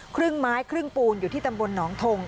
ครึ่งไม้ครึ่งปูนอยู่ที่ตำบลหนองทง